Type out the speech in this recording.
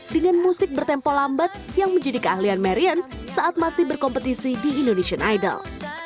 dengan musik bertempo lambat yang menjadi keahlian marian saat masih berkompetisi di indonesian idol